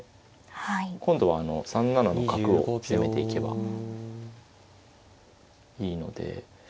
今度は３七の角を攻めていけばいいので。